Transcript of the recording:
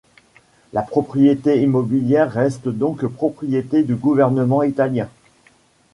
La propriété immobilière reste donc propriété du gouvernement italien.